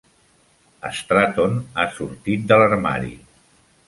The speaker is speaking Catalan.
Stratton ha sortit de l'armari.